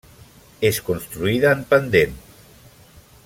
És construïda en pendent.